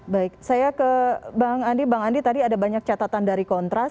baik saya ke bang andi bang andi tadi ada banyak catatan dari kontras